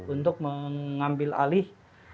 untuk mengambil alih